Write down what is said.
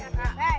eh kak randi